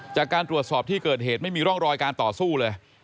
จากการตรวจสอบที่เกิดเหตุไม่มีร่องรอยการต่อสู้เลย